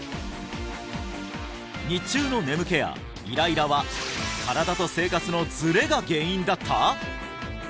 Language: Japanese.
日中の眠気やイライラは身体と生活のズレが原因だった！？